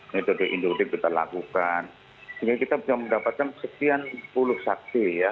metode induktif kita lakukan sehingga kita bisa mendapatkan sekian puluh saksi ya